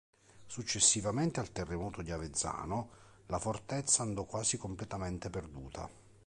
Successivamente al terremoto di Avezzano la fortezza andò quasi completamente perduta.